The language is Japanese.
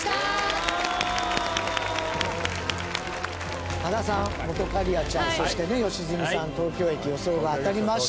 田中：羽田さん、本仮屋ちゃんそしてね、良純さん東京駅、予想が当たりました。